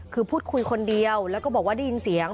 คือพูดคุยคนเดียวแล้วก็บอกว่าได้ยินเสียง